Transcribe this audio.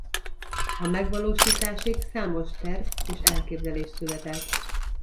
A megvalósításig számos terv és elképzelés született.